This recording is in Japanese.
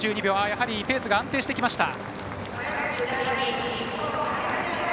やはりペースが安定してきました。